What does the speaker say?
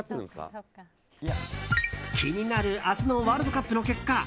気になる明日のワールドカップの結果。